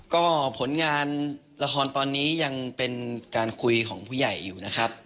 ก็ผลงานละครตอนนี้ยังเป็นการคุยของผู้ใหญ่อยู่นะครับ